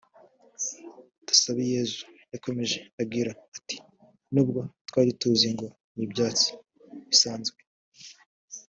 Dusabeyezu yakomeje agira ati “Nubwo twari tuzi ngo ni ibyatsi bisanzwe